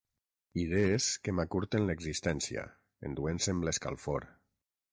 Idees que m’acurten l’existència enduent-se'm l'escalfor.